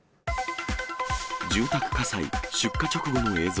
住宅火災、出火直後の映像。